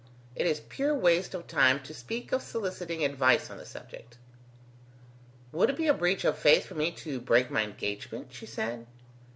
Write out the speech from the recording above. It is pure waste of time to speak of soliciting advice on the subject." "Would it be a breach of faith for me to break my engagement?" she said.